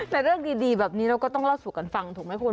แต่เรื่องดีแบบนี้เราก็ต้องเล่าสู่กันฟังถูกไหมคุณ